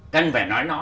cần phải nói nó